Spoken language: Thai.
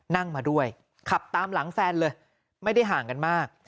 นั่งมาด้วยขับตามหลังแฟนเลยไม่ได้ห่างกันมาก